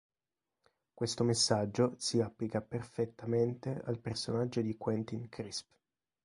Questo messaggio si applica perfettamente al personaggio di Quentin Crisp.